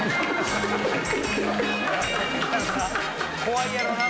怖いやろな